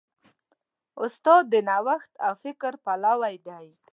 استاد د نوښت او فکر پلوی دی.